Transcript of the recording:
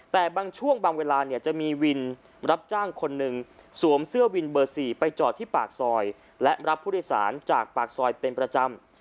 แต่บางช่วงบางเวลาเนี่ยจะมีวินรับจ้างคนหนึ่งสวมเสื้อวินเบอร์๔ไปจอดที่ปากซอยและรับผู้โดยสารจากปากซอยเป็นประจำ